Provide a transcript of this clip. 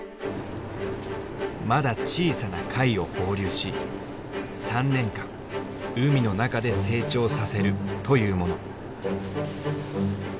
まだ小さな貝を放流し３年間海の中で成長させるというもの。